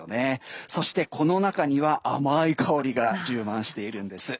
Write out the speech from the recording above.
そして、この中には甘い香りが充満しているんです。